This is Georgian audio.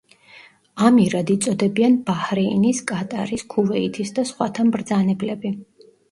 ამირად იწოდებიან ბაჰრეინის, კატარის, ქუვეითის და სხვათა მბრძანებლები.